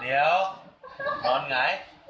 เดี๋ยวนอนหงาย